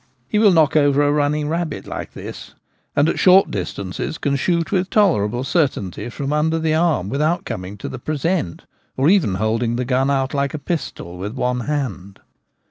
He will knock over a running rabbit like this ; and at short distances can shoot with tolerable certainty from under the arm without coming to the 'present/ or even holding the gun out like a pistol with one hand.